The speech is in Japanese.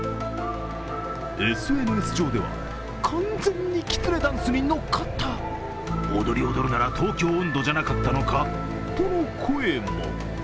ＳＮＳ上では、完全にきつねダンスに乗っかった、踊り踊るなら「東京音頭」じゃなかったのか？との声も。